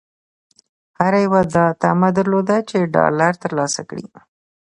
هر یوه دا طمعه درلوده چې ډالر ترلاسه کړي.